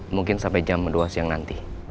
mungkin sampai jam dua siang nanti